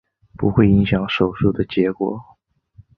不会影响手术的结果。